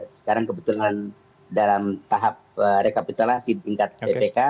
sekarang kebetulan dalam tahap rekapitalasi tingkat ppk